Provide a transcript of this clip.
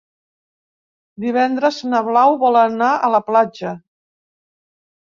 Divendres na Blau vol anar a la platja.